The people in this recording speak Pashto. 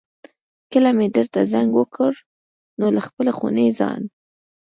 کله مې درته زنګ وکړ نو له خپلې خونې ځان.